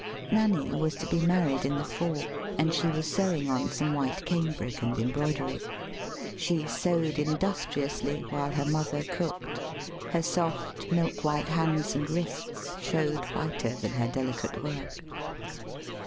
Nanny was to be mar ried in the fall, and she was sewing on some white cambric and embroidery. She sewed in dustriously, while her mother cooked; her soft, milk white hands and wrists showed whiter than her delicate work.